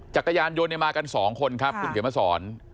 จักรยานยนต์มากันสองคนครับคุณเขียนมาสอน